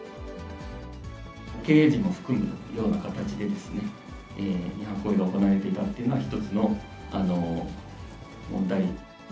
経営陣も含むような形で、違反行為が行われていたっていうのは、一つの問題。